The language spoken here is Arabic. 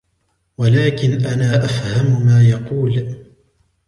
ولكن أنا أفهم ما يقول.